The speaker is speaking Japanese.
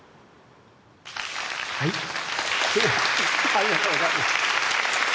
ありがとうございます。